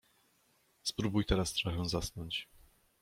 Spróbuj teraz trochę zasnąć!